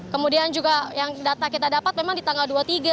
kemudian juga yang data kita dapat memang di tanggal dua puluh tiga